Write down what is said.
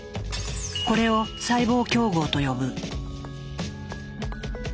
これを「細胞競合」と呼ぶ。